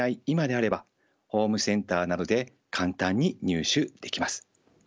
今であればホームセンターなどで簡単に入手できます。